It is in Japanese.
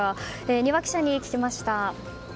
丹羽記者に聞きました。